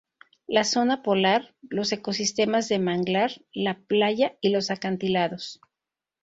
La zona polar, los ecosistemas de manglar, la playa y los acantilados.